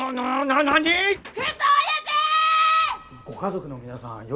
ご家族の皆さん